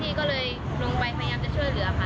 เจ้าหน้าที่ลงไปพยายามช่วยเหลือค่ะ